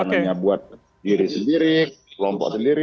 bukan hanya buat diri sendiri kelompok sendiri